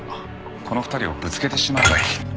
この２人をぶつけてしまえばいい。